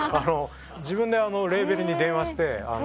自分でレーベルに電話して。